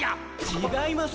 ちがいます。